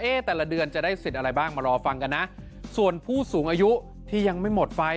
แต่ละเดือนจะได้สิทธิ์อะไรบ้างมารอฟังกันนะส่วนผู้สูงอายุที่ยังไม่หมดไฟ